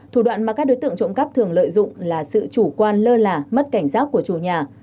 thủ đoạn mà các đối tượng trộm cắp thường lợi dụng là sự chủ quan lơ là mất cảnh giác của chủ nhà